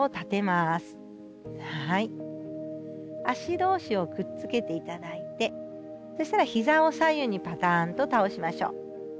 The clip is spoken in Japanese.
足同士をくっつけていただいてそしたらヒザを左右にパタンと倒しましょう。